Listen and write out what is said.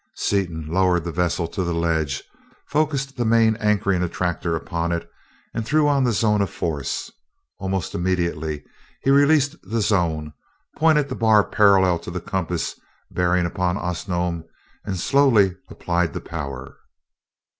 Seaton lowered the vessel to the ledge, focussed the main anchoring attractor upon it, and threw on the zone of force. Almost immediately he released the zone, pointed the bar parallel to the compass bearing upon Osnome, and slowly applied the power.